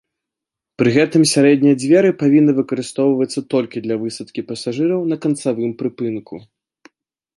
Пры гэтым сярэдняя дзверы павінны выкарыстоўвацца толькі для высадкі пасажыраў на канцавым прыпынку.